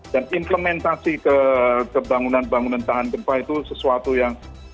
dan implementasi ke kebangunan kebangunan tahan gempa itu sesuatu yang sangat penting